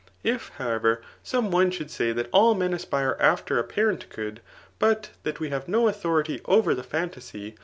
I^ however, some QQf ebould say that all men aspire after apparent goodj^ but lllat we have no authority over the piiaaiasy